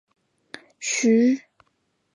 徐擎出道于武汉光谷俱乐部。